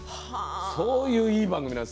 そういういい番組です